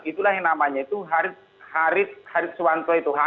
itulah yang namanya itu haris harit suwanto itu